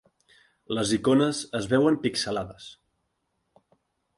Les icones es veuen pixelades.